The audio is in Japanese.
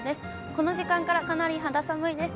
この時間からかなり肌寒いです。